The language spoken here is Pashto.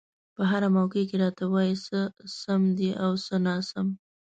په هره موقع کې راته وايي څه سم دي او څه ناسم.